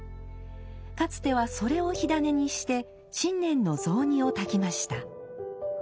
かつてはそれを火種にして新年の雑煮を炊きました。